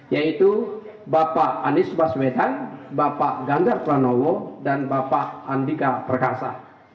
yaitu bapak anies baswedan bapak ganjar pranowo dan bapak andika perkasa